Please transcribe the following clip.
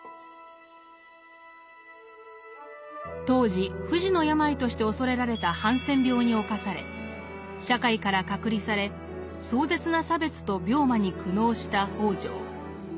当時不治の病として恐れられたハンセン病に冒され社会から隔離され壮絶な差別と病魔に苦悩した北條。